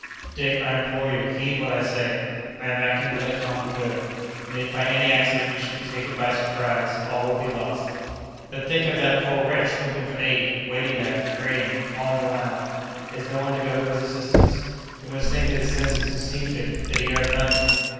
"Dick, I implore you, heed what I say. I am acting for the common good; and if by any accident you should be taken by surprise, all would be lost." "But, think of that poor wretch, hoping for aid, waiting there, praying, calling aloud. Is no one to go to his assistance? He must think that his senses deceived him; that he heard nothing!"